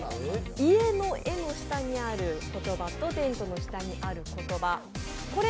家の絵の下にある言葉とテントの下にある言葉